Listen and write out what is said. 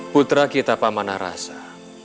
putra kita paman arasah